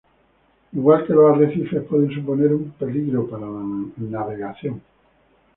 Igual que los arrecifes pueden suponer un peligro para la navegación.